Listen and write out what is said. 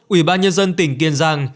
ủy ban nhân dân tỉnh kiên giang